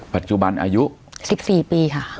ปัจจุบันอายุ๑๔ปีค่ะ